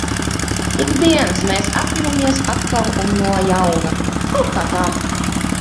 Ik dienas mēs apņemamies atkal un no jauna. Kaut kā tā.